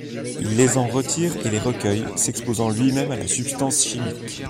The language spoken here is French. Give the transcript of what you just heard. Il les en retire et les recueille, s'exposant lui-même à la substance chimique.